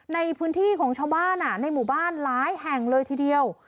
ในพื้นที่ของชาวบ้านในหมู่บ้านหลายแห่งเลยทีเดียว